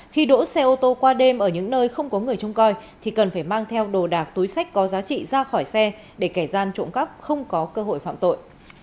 khi đỗ xe ô tô qua đêm ở những nơi không có người trông coi thì cần phải mang theo đồ đạc túi sách có giá trị ra khỏi xe để kẻ gian trộm cắp không có cơ hội phạm tội